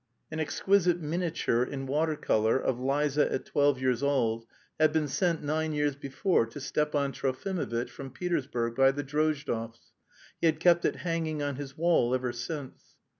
An exquisite miniature in water colour of Liza at twelve years old had been sent nine years before to Stepan Trofimovitch from Petersburg by the Drozdovs. He had kept it hanging on his wall ever since.